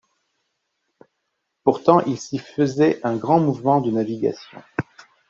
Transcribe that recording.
Pourtant il s’y faisait un grand mouvement de navigation.